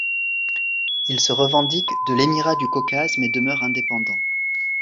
Il se revendique de l'Émirat du Caucase, mais demeure indépendant.